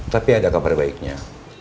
tapi ada kabar baiknya